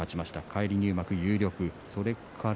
返り入幕も有力。